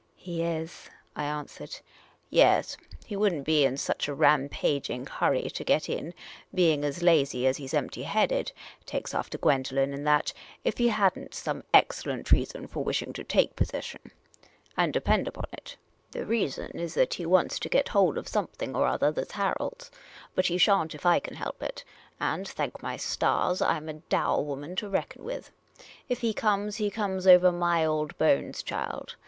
" He is," I answered. " Yes, he would n't be in such a rampaging hurry to get in — being as lazy as he 's empty headed — takes after Gwen doline in that — if he had n't some excellent reason for wishing to take possession : and depend upon it, the reason 320 Miss Cayley's Adventures is that he wants to get hold of something or other that 's Harold's. But he sha'n't if I can help it ; and, thank my stars, I 'm a dour woman to reckon with. If he comes, he comes over my old bones, child.